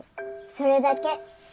それだけ。